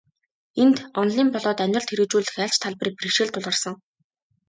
Энд, онолын болоод амьдралд хэрэгжүүлэх аль ч талбарт бэрхшээл тулгарсан.